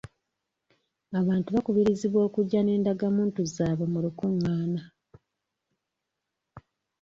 Abantu bakubirizibwa okujja n'endagamuntu zaabwe mu lukungana.